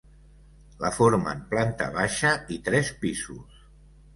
La formen planta baixa i tres pisos.